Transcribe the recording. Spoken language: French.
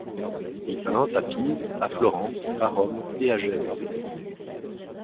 Il peint à Pise, à Florence, à Rome et à Gênes.